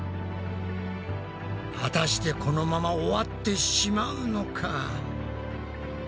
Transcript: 果たしてこのまま終わってしまうのか？